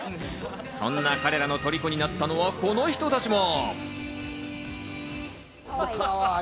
そんな彼らの虜になったのはこの人たちも。